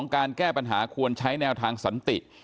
การแก้ปัญหาควรใช้แนวทางสันติ